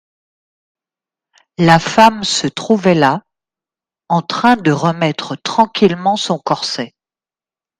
La femme se trouvait là, en train de remettre tranquillement son corset.